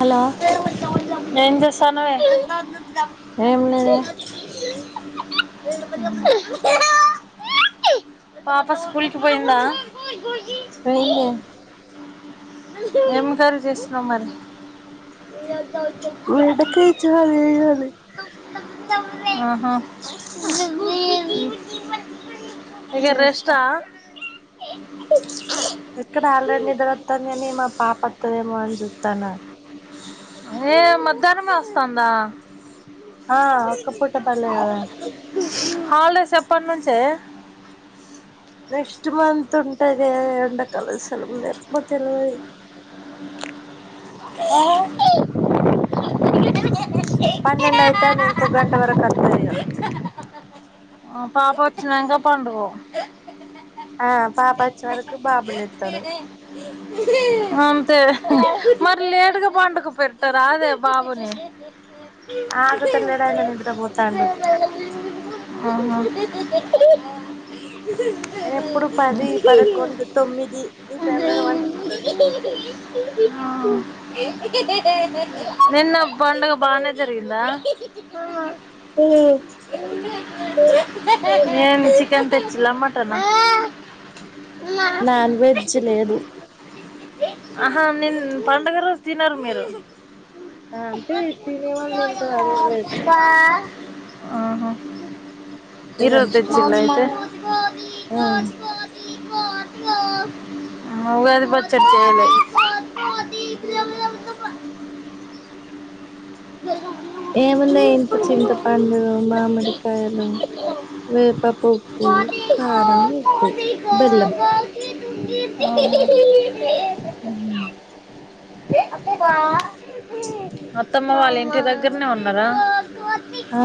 Hello ఎం చేస్తే తను ఏం లేదే [unintelligible] పాప స్కూల్ కి పోయిందా పోయిందే ఏం కర్రీ చేస్త ఆ మరి బిడ్డకి చౌలేయాలి ఆ ఆహ్ ఇగ రెష్టా ఎక్కడ ఆల్ రెడీ నిదర ఒతందాన్ని గని మా పాప అత్తదేమో అని చూత తన ఏ మధ్యనమే వస్తాందా ఆ ఒక్క పూట పనులే కదా హాలిడేస్ ఎప్పటి నుంచే నెస్ట్ మంత్ తుంటదే ఎండకల సెలవు లేర్ బ తెలవై ఆ పన్నెండయితాంది ఇంకో గంట వరకు అత్తదిగా ఆ పాప వచ్చినంకా పండుకో ఆ పాప అచ్చె వరకు బాబు లేత్తడు అంతే మరి లేటుగా పండుకొపెట్టరాదే బాబుని ఆగుతలేడు ఆయన నిద్రపోతాండు ఆహా [unintelligible] అయన ఎప్పుడు పది పదకొండు తొమ్మిది ఈ టైమ్ లోనే పండుకుంటడు అ ఆ నిన్నబ్ పండగ బానే జరిగిందా మ్మ్ నేను చికెన్ తెచ్చిలా మటనా [inaudible] నాన్ వెజ్ లేదు ఆహా నిన్ పండుగ రోజు తినరు మీరు ఆ అంటే తినేవాళ్ళు తింటారు అదేం లేదు బా ఆహా ఈ ఎవరి రోజు ఇష్టం తెచ్చిందైతే ఆ ఉగాది పచ్చడి చెయ్యలె చెయ్యలే [unintelligible] ఏమున్నయ్ ఇంత చింత పండు మామిడికాయలు వేపపువ్వ కారం ఉప్పు బెల్లం అ [inaudible] అత్తమ్మ వాళ్ళింటి దగ్గర్నే ఉన్నరా [unintelligible] ఆ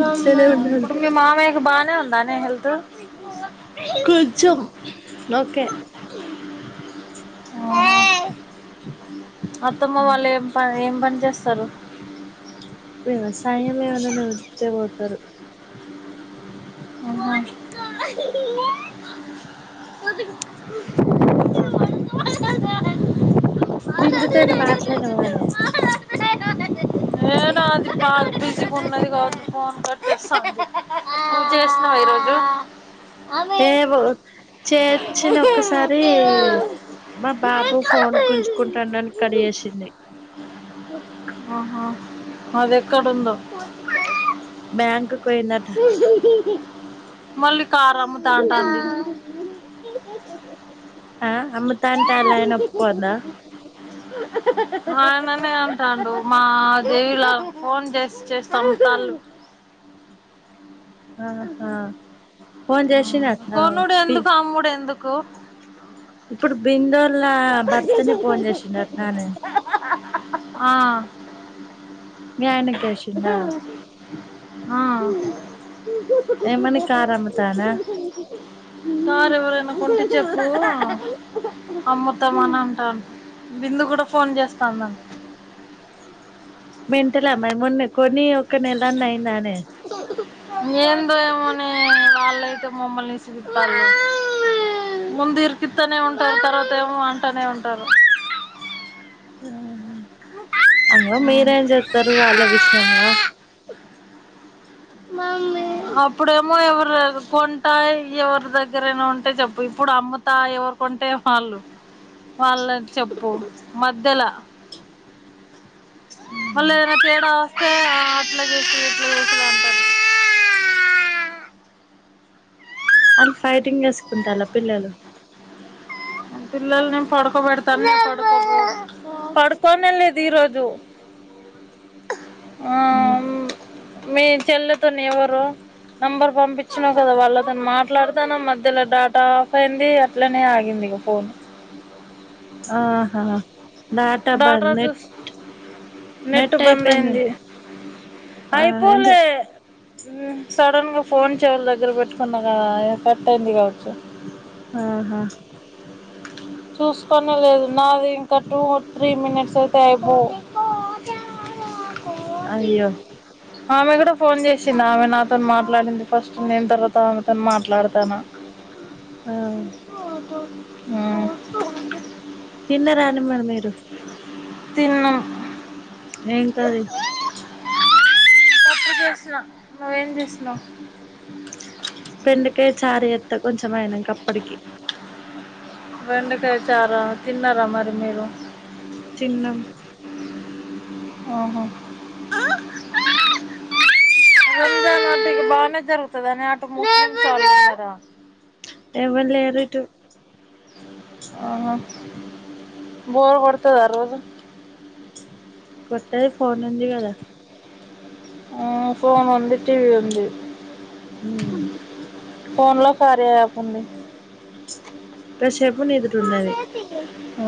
ఇట్లనే ఉన్నారు ఇప్పుడు మీ మామయ్య బాగానే ఉందానే హెల్త్ కొంచెం ఓకే ఆ అత్తమ్మ వాళ్ళేం ప ఏం పన్ చేస్తారు వ్యవసాయం ఎవరైనా [inaudible] పోతారు అవునా బిందు తోటి మాట్లాడినవానే నేను అది బాగ బిజీగున్నది కావచ్చు ఫోన్ కట్ చేస్తాంది నువ్ చేసినవా ఈరోజు తేబు చేర్చిన ఒకసారి మా బాబు ఫోన్ గుంజుకుంటాండని కడు జేసింది ఆహా అదెక్కడుందో బ్యాంకుకు పోయిందట మళ్ళీ కారమ్ముతాంటాంది ఆ అమ్ముతాంటె అల్లాయిన ఒప్పుకోవద్దా ఆయననే అంటాండు మా దేవిలా ఫోన్ చేసి చేసి సంపుతాళ్ళు ఆహా ఫోన్ చేసినట్నా బి కొనుడెందుకు అమ్ముడెందు కు ఇప్పుడు బింద ఆ మీ ఆయనకి చేసిండా ఆ ఉహ్ ఏమని కారు అమ్ముతానా ఉహ్ కారు ఎవరైనా కొంటే చెప్పు అమ్ముతామని అంటా బిందు కూడా ఫోన్ చేస్తాన్నది మెంటాల మరి మన కొని ఒక నెలన్న అయిందానే ఏందో ఏమోనే వాళ్ళయితే మమ్మల్ని విసిగిత్తాల్లు ముందు ఇరికిత్తానే ఉంటారు తర్వాత ఏమో అంటానే ఉంటారు అగో మీరేంజేత్తరు వాళ్ళ విషయంలా అప్పుడేమో ఎవరు కొంటా ఎవరి దగ్గరైనా ఉంటే చెప్పు ఇప్పుడు అమ్ముతా ఎవరు కొంటే వాళ్ళు వాళ్ళని చెప్పు మధ్యల మళ్ళేదైనా తేడా వస్తే అట్లా చేసి ఇట్లా చేసిరు అంటారు ఆళ్ళు ఫైటింగ్ చేసుకుంటాలా పిల్లలు పిల్లల నేను పడుకోబెడతాను పడు పడుకోనే లేదు ఈరోజు ఆ మీ చెల్లెతోని ఎవరు నంబర్ పంపించినా కదా వాళ్ళతోని మాట్లాడతాను మధ్యలో డేటా ఆఫ్ అయింది అట్లనే ఆగింది ఫోన్ ఆహా డాటా బంద్ నెట్ చూస్ నెట్ బంద్ అయింది ఆ అయిపోలే ఎందుకు సడన్ గా ఫోన్ చెవుల దగ్గర పెట్టుకున్నా కద కట్ అయింది కావచ్చు ఆహా చూసుకోనే లేదు నాది ఇంకా టూ త్రీ మినిట్స్ అయితే అయిపోవు అయ్యో ఆమె కూడా ఫోన్ చేసింది ఆమె నాకు మాట్లాడింది ఫస్ట్ నేన్ తర్వాత తా తను మాట్లాడతామా ఆ మ్మ్ ఓ తిన్నారా అండి మరి మీరు తిన్నం ఏంటది పప్పు చేసిన నువ్వేం చేసినావ్ బెండకాయ చారు చేత్తా కొంచెం అయినంక అప్పటికి బెండకాయ చారా తిన్నారా మరి మీరు తిన్నం ఓహో రంజాన్ అటు బానే జరుగుతద నే అటు ముస్లిమ్స్ ఆళ్ళు ఉన్నరా ఎవర్ లేరు ఇటు ఆహ బోర్ కొడతదా రోజు కొట్టది ఫోన్ ఉంది కదా మ్మ్ ఫోన్ ఉంది టీవీ ఉంది మ్మ్ ఫోన్ లో కార్య యాప్ ఉంది. కషేపు నీదుటున్నది. ఆ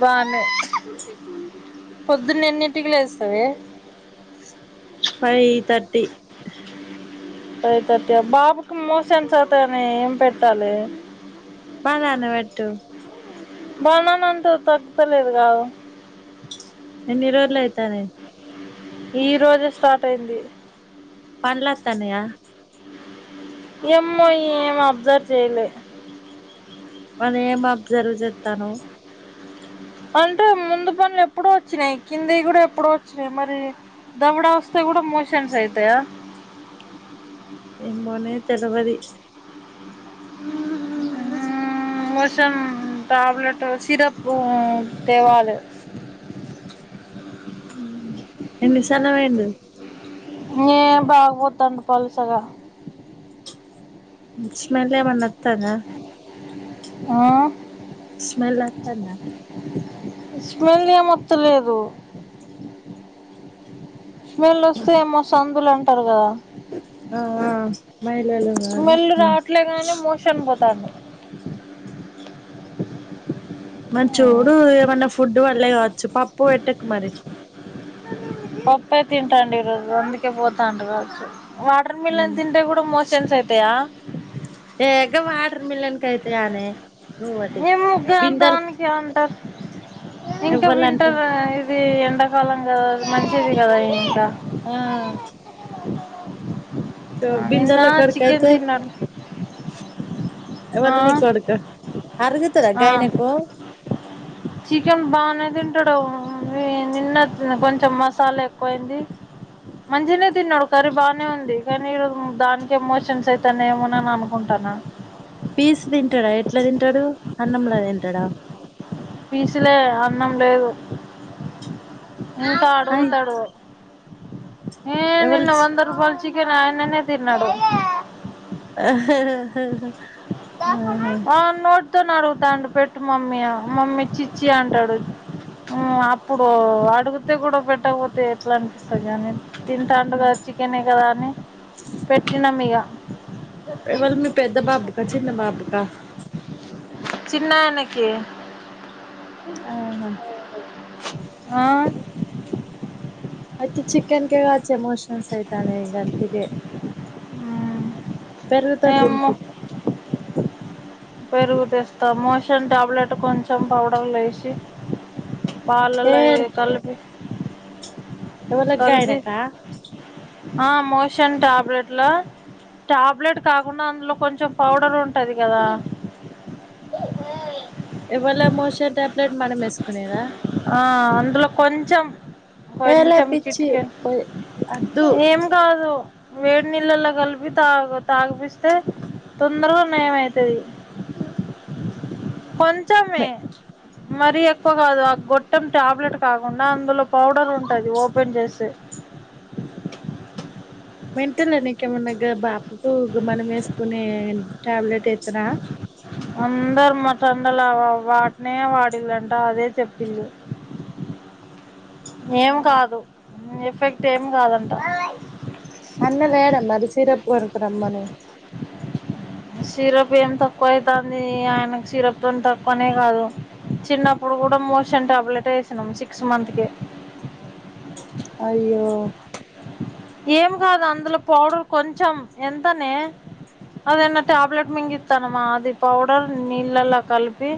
బానే, పొద్దున్నేన్నింటికి లేస్తవే? Five thirty. ఫైవ్ థర్టీ అ, బాబుకి మోషన్స్ అవ్తానై ఏం పెట్టాలే? బనానా పెట్టు. బనన అంటవ్ తగ్తలేదు గాదు? ఎన్ని రోజ్లయితానై? ఈ రోజే స్టార్ట్ అయింది. పన్లత్తానయా? ఎమ్మో ఏం అబ్జర్వ్ చేయలే. మరి ఏం అబ్జర్వ్ చేత్తనవ్? అంటే ముందు పన్లేప్పుడో వచ్చినయి, కిందియి కూడా ఎప్పుడో వచ్చినయి. మరీ దవడ వస్తే గుడ మోషన్స్ అయితయా? ఎమ్మోనె తెలవది. మ్ మోషన్ ట్యాబ్లెట్, సిరపు తేవాలె. ఎన్నిసార్లు పోయిండు ఏ బాగ పోత్తాండు పల్చగా. మ్, స్మెలెమన్న అత్ త్తదా? ఆ స్మెల్ అత్తందా? స్మెల్ ఏ మొత్తలేదు. స్మెల్ వస్తే ఏమో సన్ దులు అంటరు గదా? ఆ ఆ మైలలు గాని స్మెల్ ఉమ్ రావట్లేగాని మోషన్ పోతాండు. మర్ చూడు ఏమన్న ఫుడ్ పల్లె కావచ్చు, పప్పు పెట్టకు మరి. పప్పే తింటాండు ఈరోజు, అందుకే పోతాండు గావచ్చు. వాటర్ మిలన్ తింటే కూడా మోష్ షన్స్ ఐతయా? ఏ గ వాటర్ మిలన్ కయితయానె? ఏమో గా దానికి అంటరు? ఇంక ఎవ్వలంటే వింటరా ఇది ఎన్ ఎండాకాలం గద మంచిది గదా ఇంకా ఆ [unintelligible] ఆ నిన్న బిందెల కొడుకు చికెన్ తిన్నడు. ఎవల్ ని కొడుక? అర్గుతద ఆ గాయనకు? చికెన్ బానే తింటడు, నిన్న కొంచెం మసాలా ఎక్కువయింది మంచినే తిన్నాడు కర్రీ బానే ఉంది. కని ఈ రోజు దానికే మోషన్స్ ఐతనయ్ ఏమోనని అనుకుంటాన. పీస్ తింటాడా ఎట్లా తింటాడు అన్నంలా తింటాడా పీసులే అన్నం లేదు ఇంతా అయ్ అడుగుతడు ఏ ఎవళ నిన్న వంద రూపాల్ చికెన్ ఆయననే తిన్నాడు ఆ తను అడుగుతాండు పెట్టు మమ్మీ ఆ మమ్మ చ్చిచ్చి అంటాడు అప్పుడు అడుగితే కూడా పెట్టకపోతే ఎట్లా అనిపిస్తది అని తింటాండు కదా చికెనే కదా అని పెట్టినం ఇగ ఎ వాళ్ళ మీ పెద్ద బాబు కా చిన్న బాబు కా చిన్నాయానికి ఆహా ఆ అయితే చికెన్ కే గావచ్చే మోషన్స్ ఐతన్నాయ్ గంతుకే పెరుగు తోటి ఏమో తినిపి పెరుగు తెస్తా మోషన్ టాబ్లెట్ కొంచెం పౌడర్లు వేసి ఏ పాలల్లో కలిపి కలిపి ఎవలగ్గాయనాకా ఆ మోషన్ టాబ్లెట్లా టాబ్లెట్ కాకుండా అందులో కొంచెం పౌడర్ ఉంటది కదా షన్ టాబ్లెట్ మనం వేసుకునేదా ఆ అందులో కొంచం ఏలే కొంచెం పిచ్చి చిటిక పోయి అద్దు ఏం కాదు వేడి నీళ్లలో కలిపి తాగు తాగిపిస్తే తొందరగా నయ అవుతది కొ ంచమే మె మరీ ఎక్కువ కాదు ఆ గొట్టం టాబ్లెట్ కాకుండా అందులో పౌడర్ ఉంటది ఓపెన్ చేస్తే మెంటల నీకేమన్నా గా బాప్ గు మనం వేసుకునే ట్యాబ్లెట్ ఏ చ్చనా అందరు మా సొందులో వాటినే వాడిళ్ళంటా అదే చెప్పిళ్లు ఆ ఏం కాదు ఎఫెక్ట్ ఏమి కాదంట అన్న లేేడ మరి సిర బోరుకురమ్మను సిరప్ ఏమి తక్కువ అయితాంది ఆయనకు సిరప్తోన్ తక్కువనే కాదు చిన్నప్పుడు కూడా మోషన్ టాబ్లెట్ వేసినాం సిక్స్ మంత్ కె అయ్యో ఏమి కాదు అందులో పౌడర్ కొంచెం ఎంతనే అదేన్న టాబ్లెట్ మింగిస్తానమ్మా అది పౌడర్ నీళ్ళలా కలిపి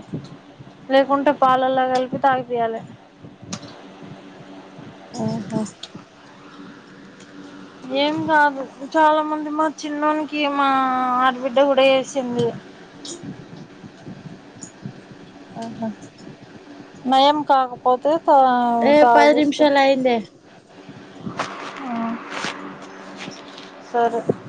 లేకుంటే పాలలా కలిపి తాగిపీయ్యాలి ఆహా ఏం కాదు చాలా మంది మా చిన్నోనికి మా ఆడబిడ్డ కూడా ఏసింది ఆహా నయం కాకపోతే తా ఏ పది నిమిషాల అయ్యిందే హా సరే